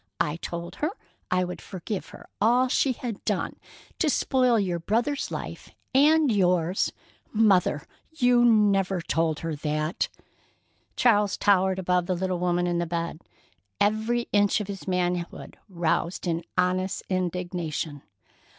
I told her I would forgive her all she had done to spoil your brother's life and yours——" "Mother! You never told her that!" Charles towered above the little woman in the bed, every inch of his manhood roused in honest indignation.